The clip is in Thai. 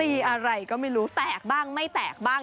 อะไรก็ไม่รู้แตกบ้างไม่แตกบ้าง